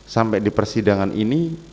sampai di persidangan ini